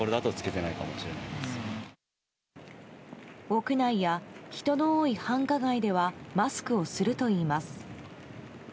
屋内や人の多い繁華街ではマスクをするといいます。